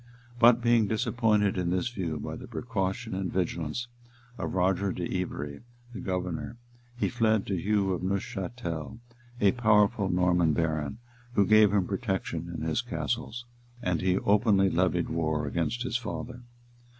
[*] But being disappointed in this view by the precaution and vigilance of Roger de Ivery, the governor, he fled to Hugh de Neufchatel, a powerful Norman baron, who gave him protection in his castles; and he openly levied war against his father.